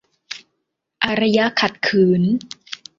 อารยะขัดขืน